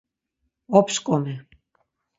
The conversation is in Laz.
Opşǩomi.